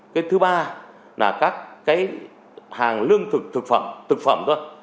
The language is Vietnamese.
cái thứ ba là các hàng lương thực thực phẩm thôi